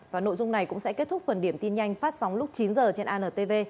và nội dung này cũng sẽ kết thúc phần điểm tin nhanh phát sóng lúc chín h trên antv